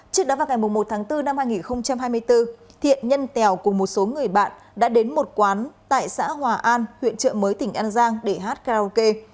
trước đó vào ngày một tháng bốn năm hai nghìn hai mươi bốn thiện nhân tèo cùng một số người bạn đã đến một quán tại xã hòa an huyện trợ mới tỉnh an giang để hát karaoke